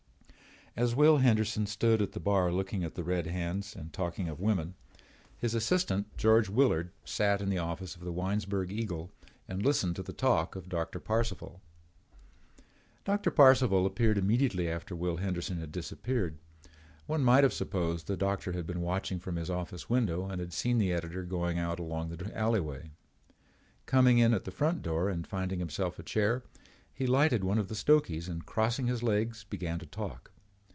As Will Henderson stood at the bar looking at the red hands and talking of women, his assistant, George Willard, sat in the office of the Winesburg Eagle and listened to the talk of Doctor Parcival. Doctor Parcival appeared immediately after Will Henderson had disappeared. One might have supposed that the doctor had been watching from his office window and had seen the editor going along the alleyway. Coming in at the front door and finding himself a chair, he lighted one of the stogies and crossing his legs began to talk.